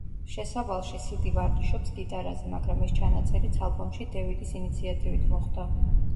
შესავალში სიდი ვარჯიშობს გიტარაზე, მაგრამ ეს ჩანაწერიც ალბომში დევიდის ინიციატივით მოხვდა.